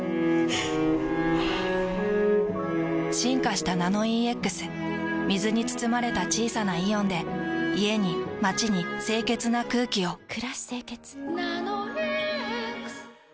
ふぅ進化した「ナノイーＸ」水に包まれた小さなイオンで家に街に清潔な空気を。